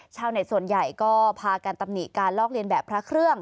ชาวเน็ตส่วนใหญ่ก็พากันตำหนิการลอกเลียนแบบพระเครื่อง